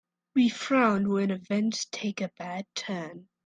We frown when events take a bad turn.